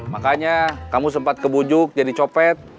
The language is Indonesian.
makanya kamu sempat kebujuk jadi copet